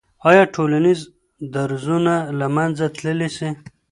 آیا ټولنیز درزونه له منځه تللی سي؟